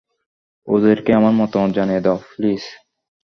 ওদেরকে আমার মতামত জানিয়ে দাও, প্লিজ।